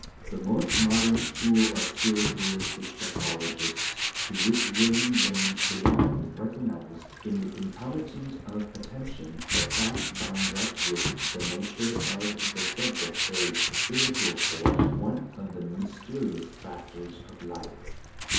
The most modern school of spiritualistic psychologists, to which William James belonged, recognized, in the concomitant of attention, a fact bound up with the nature of the subject, a "spiritual force," one of the "mysterious factors of life."